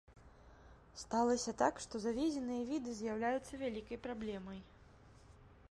Сталася так, што завезеныя віды з'яўляюцца вялікай праблемай.